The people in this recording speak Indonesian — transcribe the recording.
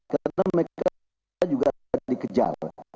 karena mereka juga dikejar